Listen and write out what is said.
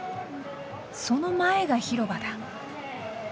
その前が広場だ。